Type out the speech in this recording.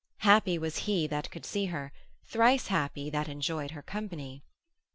Happy was he that could see her, thrice happy that enjoyed her company.